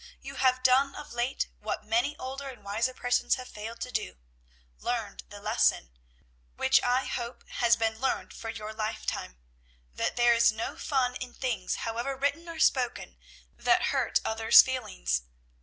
You have done of late what many older and wiser persons have failed to do, learned the lesson, which I hope has been learned for your lifetime, that there is no fun in things, however written or spoken, that hurt other's feelings.